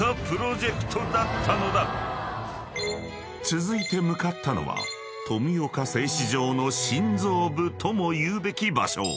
［続いて向かったのは富岡製糸場の心臓部ともいうべき場所］